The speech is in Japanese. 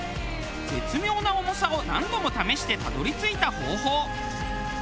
絶妙な重さを何度も試してたどり着いた方法。